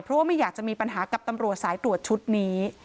เพราะว่าไม่อยากจะมีปัญหากับตำรวจสายตรวจชุดนี้